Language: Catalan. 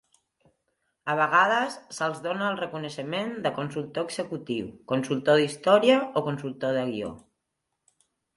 A vegades se'ls dona el reconeixement de "consultor executiu", "consultor d'història" o "consultor de guió".